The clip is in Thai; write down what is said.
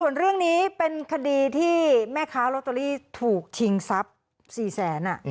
ส่วนเรื่องนี้เป็นคดีที่แม่ค้าลอตเตอรี่ถูกชิงทรัพย์๔แสน